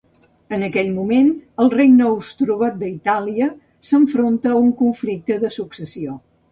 En aquell moment, el Regne ostrogot d'Itàlia s'enfronta a un conflicte de successió.